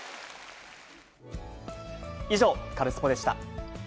以上、カルスポっ！でした。